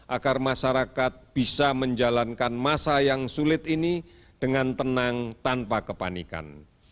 agar masyarakat bisa menjalankan masa yang sulit ini dengan tenang tanpa kepanikan